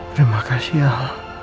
terima kasih al